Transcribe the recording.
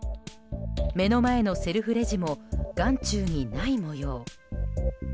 目の前のセルフレジも眼中にない模様。